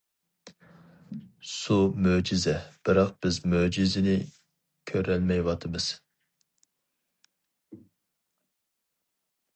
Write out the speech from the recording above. سۇ مۆجىزە، بىراق بىز مۆجىزىنى كۆرەلمەيۋاتىمىز.